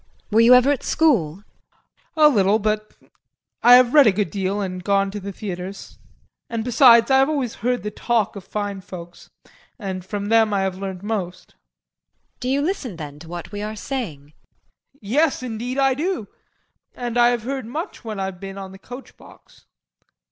Were you ever at school? JEAN. A little, but I have read a good deal and gone to the theatres. And besides, I have always heard the talk of fine folks and from them I have learned most. JULIE. Do you listen then to what we are saying? JEAN. Yes, indeed, I do. And I have heard much when I've been on the coachbox.